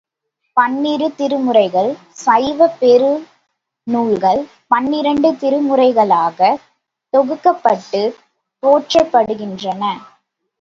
பன்னிரு திருமுறைகள் சைவப் பெரு நூல்கள் பன்னிரண்டு திருமுறைகளாகத் தொகுக்கப்பட்டுப் போற்றப்படுகின்றன.